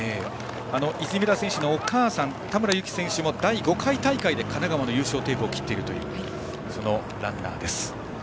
出水田選手のお母さんも第５回大会で神奈川の優勝テープを切っているというランナーです。